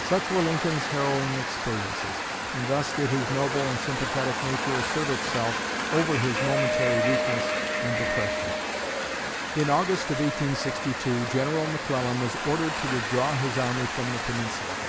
Such were Lincoln's harrowing experiences; and thus did his noble and sympathetic nature assert itself over his momentary weakness and depression. In August of 1862 General McClellan was ordered to withdraw his army from the Peninsula.